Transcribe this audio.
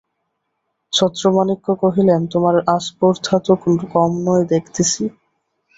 ছত্রমাণিক্য কহিলেন, তোমার আস্পর্ধা তো কম নয় দেখিতেছি।